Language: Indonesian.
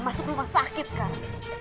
masuk rumah sakit sekarang